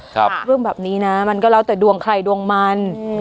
เรื่องแบบนี้นะมันก็แล้วแต่ดวงใครดวงมันอืม